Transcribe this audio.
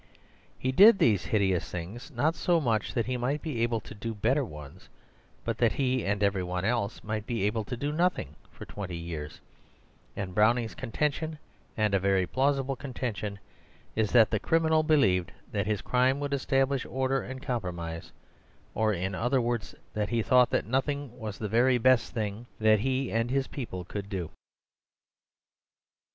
He did these hideous things not so much that he might be able to do better ones, but that he and every one else might be able to do nothing for twenty years; and Browning's contention, and a very plausible contention, is that the criminal believed that his crime would establish order and compromise, or, in other words, that he thought that nothing was the very best thing he and his people could do.